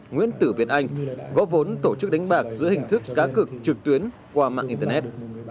nguyễn tử việt anh góp vốn tổ chức đánh bạc giữa hình thức cá cực trực tuyến qua mạng internet